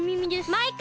マイカ